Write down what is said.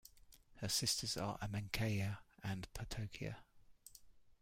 Her sisters are Amechania and Ptocheia.